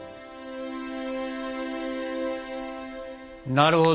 なるほど。